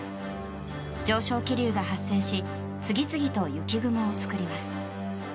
上昇気流が発生し次々と雪雲を作ります。